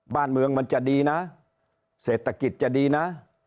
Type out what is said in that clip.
บ้านเมืองมันจะดีนะเศรษฐกิจจะดีนะ